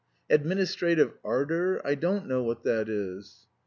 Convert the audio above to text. "Administrative ardour? I don't know what that is."